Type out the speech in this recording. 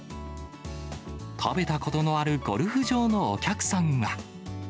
食べたことのあるゴルフ場のお客さんは。